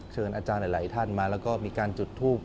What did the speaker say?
อาจารย์หลายท่านมาแล้วก็มีการจุดทูบ